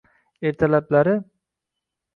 ertalablari